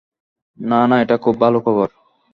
না, না, এটা খুব ভালো খবর।